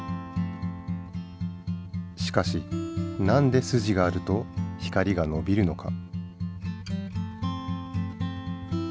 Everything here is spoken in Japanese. しかしなんでスジがあると光がのびるのか？